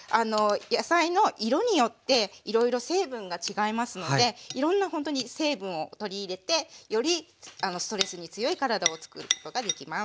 野菜の色によっていろいろ成分が違いますのでいろんなほんとに成分を取り入れてよりストレスに強い体をつくることができます。